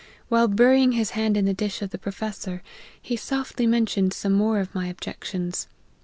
While burying hia hand in the dish of the professor, he softly men tioned some more of my objections.